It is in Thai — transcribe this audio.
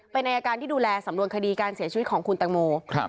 เป็นอายการที่ดูแลสำนวนคดีการเสียชีวิตของคุณตังโม